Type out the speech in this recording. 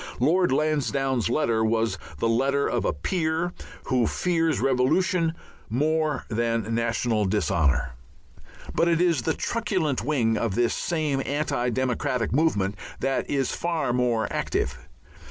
Lord Lansdowne's letter was the letter of a Peer who fears revolution more than national dishonour. But it is the truculent wing of this same anti democratic movement that is far more active.